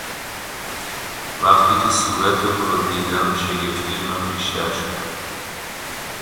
وقتی که صورت او را دیدم شگفتی من بیشتر شد.